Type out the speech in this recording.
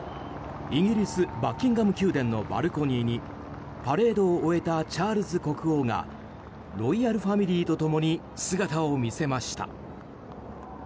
イギリスバッキンガム宮殿のバルコニーにパレードを終えたチャールズ国王がロイヤルファミリーと共に姿を見せました。